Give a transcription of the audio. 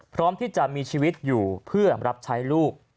พร้อมที่จะมีชีวิตอยู่เพื่อรับใช้ลูก